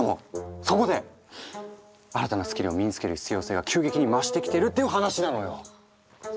そこで新たなスキルを身につける必要性が急激に増してきてるっていう話なのよ。